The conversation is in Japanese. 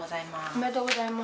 おめでとうございます。